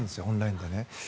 オンラインで。